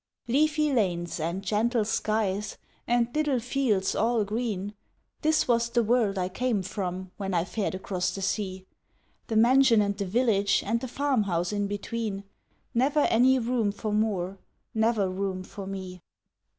Leafy lanes and gentle skies and little fields all green, This was the world I came from when I fared across the sea The mansion and the village and the farmhouse in between, Never any room for more, never room for me!